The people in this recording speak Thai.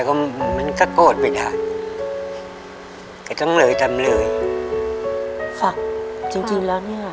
ก็มันก็โกรธไปด้านแต่ต้องเลยทำเลยฝักจริงแล้วเนี่ย